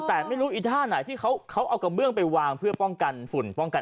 แต่ไม่รู้อีท่าไหนที่เขาเอากระเบื้องไปวางเพื่อป้องกันฝุ่นป้องกัน